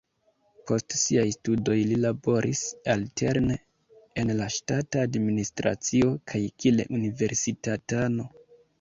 Post siaj studoj li laboris alterne en la ŝtata administracio kaj kiel universitatano.